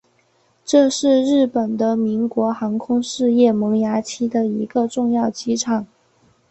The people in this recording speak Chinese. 这是日本的民用航空事业萌芽期的一个重要机场。